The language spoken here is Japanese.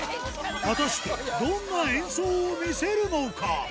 果たして、どんな演奏を見せるのか。